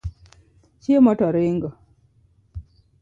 Chiemo to ringo.